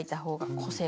個性。